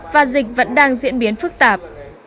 và dịch vẫn đang diễn biến phức tạp